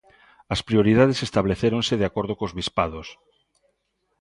As prioridades establecéronse de acordo cos bispados.